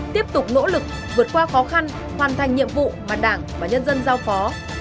tiếp tục nỗ lực vượt qua khó khăn hoàn thành nhiệm vụ mà đảng và nhân dân giao phó